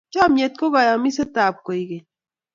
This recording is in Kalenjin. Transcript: Chomnyet ko kayamisetab koikeny.